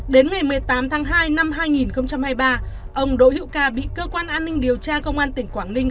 đến ngày một mươi tám tháng hai năm hai nghìn hai mươi ba ông đỗ hữu ca bị cơ quan an ninh điều tra công an tỉnh quảng ninh